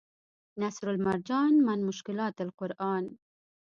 نصرالمرجان من مشکلات القرآن